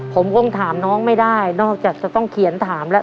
ผมคงถามน้องไม่ได้นอกจากจะต้องเขียนถามแล้ว